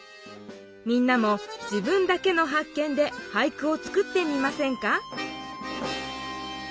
みんなも自分だけの発見で俳句をつくってみませんか？